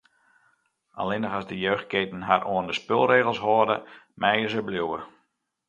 Allinnich as de jeugdketen har oan de spulregels hâlde, meie se bliuwe.